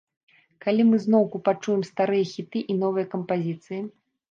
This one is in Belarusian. Калі мы зноўку пачуем старыя хіты і новыя кампазіцыі?